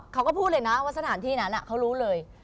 เขาก็พูดเลยนะว่าสถานที่นั้นเขารู้เลย